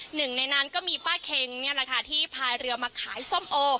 หนึ่งในนั้นก็มีป้าเค็งนี่แหละค่ะที่พายเรือมาขายส้มโอ